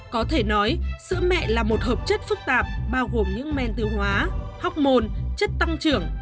có thể nói sữa mẹ là một hợp chất phức tạp bao gồm những men tiêu hóa học môn chất tăng trưởng